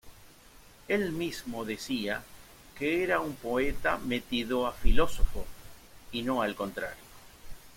Él mismo decía que era un poeta metido a filósofo, y no al contrario.